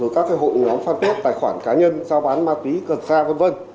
rồi các hội nhóm phát tuyết tài khoản cá nhân giao bán ma túy cần xa v v